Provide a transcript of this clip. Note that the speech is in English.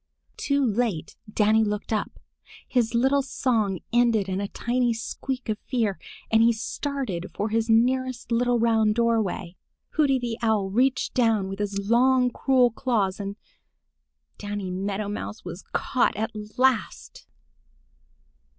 Too late Danny looked up. His little song ended in a tiny squeak of fear, and he started for his nearest little round doorway. Hooty the Owl reached down with his long cruel claws and—Danny Meadow Mouse was caught at last!